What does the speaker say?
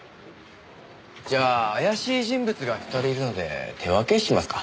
じゃあ怪しい人物が２人いるので手分けしますか。